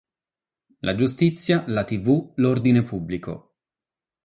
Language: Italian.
La giustizia, la tv, l'ordine pubblico.